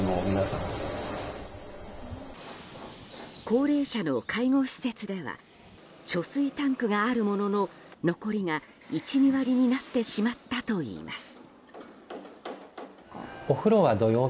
高齢者の介護施設では貯水タンクがあるものの残りが１２割になってしまったといいます。